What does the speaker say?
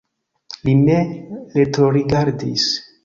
Li ne retrorigardis.